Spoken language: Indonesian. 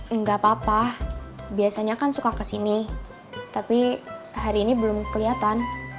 enggak apa apa biasanya kan suka kesini tapi hari ini belum kelihatan